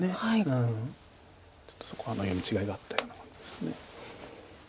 ちょっとそこは読み違いがあったようなんです。